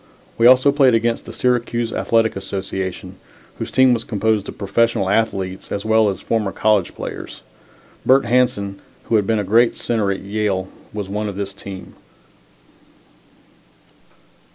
We also played against the Syracuse Athletic Association, whose team was composed of professional athletes as well as former college players. Bert Hanson, who had been a great center at Yale, was one of this team.